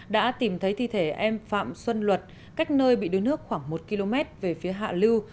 đã tìm thấy thi thể em phạm xuân luật cách nơi bị đuối nước khoảng một km về phía hạ lưu